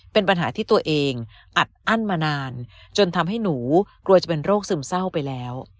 เป็นปัญหาที่ตัวเองอัดอั้นมานานจนทำให้หนูกลัวจะเป็นโรคซึมเศร้าไปแล้ว